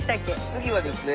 次はですね